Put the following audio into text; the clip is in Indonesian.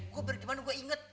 gue baru dimana gue inget